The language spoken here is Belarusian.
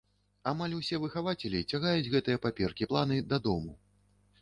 Амаль усе выхавацелі цягаюць гэтыя паперкі-планы дадому.